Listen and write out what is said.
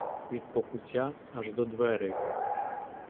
Від покуття аж до дверей.